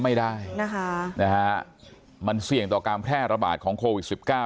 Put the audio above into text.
ไม่ได้นะคะนะฮะมันเสี่ยงต่อการแพร่ระบาดของโควิดสิบเก้า